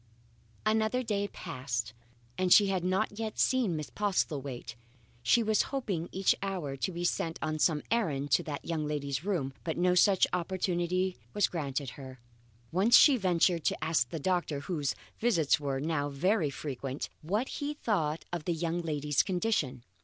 Another day passed, and she had not yet seen Miss Postlethwaite. She was hoping each hour to be sent on some errand to that young lady's room, but no such opportunity was granted her. Once she ventured to ask the doctor, whose visits were now very frequent, what he thought of the young lady's condition.